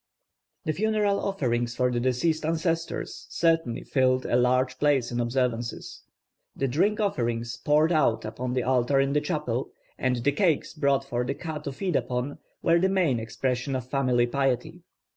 The funeral offerings for the deceased ancestors certainly filled a large place in observances; the drink offerings poured out upon the altar in the chapel, and the cakes brought for the ka to feed upon, were the main expression of family piety.